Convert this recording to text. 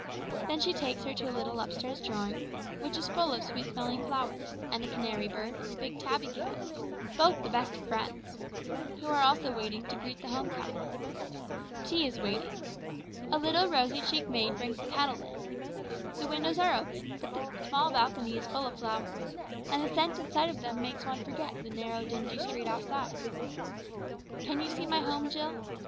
Then she takes her to a little upstairs drawing room, which is full of sweet smelling flowers, and a canary bird and a big tabby cat both the best of friends are also waiting to greet the home comer. Tea is waiting. A little rosy cheeked maid brings the kettle in. The windows are open, but the small balcony is full of flowers, and the scent and sight of them makes one forget the narrow, dingy street outside. Can you see my home, Jill?